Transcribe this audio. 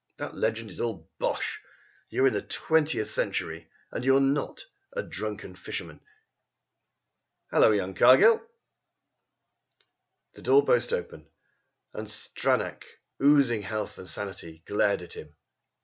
That legend is all bosh! You're in the twentieth century, and you're not a drunken fisherman " "Hullo, young Cargill!" The door burst open and Stranack, oozing health and sanity, glared at him.